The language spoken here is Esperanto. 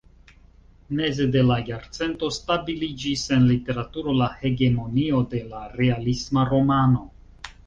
Meze de la jarcento stabiliĝis en literaturo la hegemonio de la realisma romano.